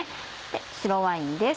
白ワインです。